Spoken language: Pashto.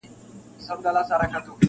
چلېدل یې په مرغانو کي امرونه-